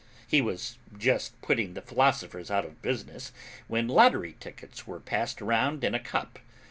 He was just putting the philosophers out of business when lottery tickets were passed around in a cup.